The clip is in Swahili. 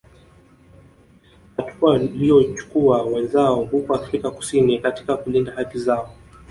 Hatua walioichukua wenzao huko Afrika kusini katika kulinda haki zao